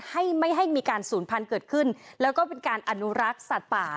ให้ไม่ให้มีการศูนย์พันธุ์เกิดขึ้นแล้วก็เป็นการอนุรักษ์สัตว์ป่า